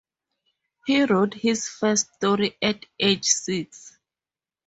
He wrote his first story at age six.